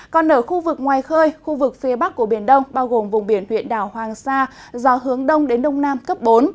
còn ở khu vực ngoài khơi khu vực phía bắc của biển đông bao gồm vùng biển huyện đảo hoàng sa gió hướng đông đến đông nam cấp bốn